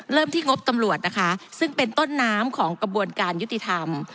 ที่งบตำรวจนะคะซึ่งเป็นต้นน้ำของกระบวนการยุติธรรม